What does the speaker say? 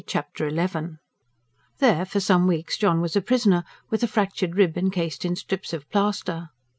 Chapter XI There for some weeks John was a prisoner, with a fractured rib encased in strips of plaster.